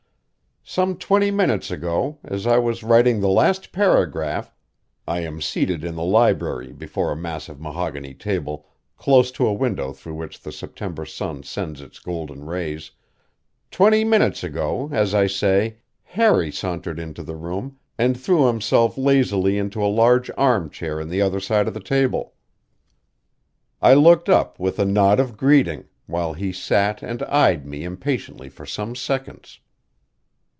Some twenty minutes ago, as I was writing the last paragraph I am seated in the library before a massive mahogany table, close to a window through which the September sun sends its golden rays twenty minutes ago, as I say, Harry sauntered into the room and threw himself lazily into a large armchair on the other side of the table. I looked up with a nod of greeting, while he sat and eyed me impatiently for some seconds.